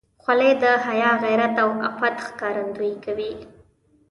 خولۍ د حیا، غیرت او عفت ښکارندویي کوي.